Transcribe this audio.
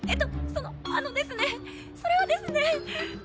そのあのですねそれはですね。